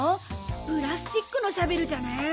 プラスチックのシャベルじゃねえ。